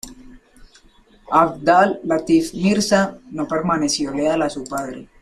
Abdal-Latif Mirza no permaneció leal a su padre.